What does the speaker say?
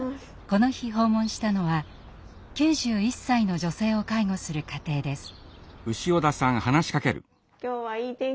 この日訪問したのは９１歳の女性を介護する家庭です。